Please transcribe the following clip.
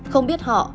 không biết họ